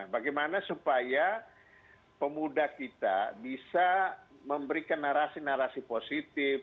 bagaimana supaya pemuda kita bisa memberikan narasi narasi positif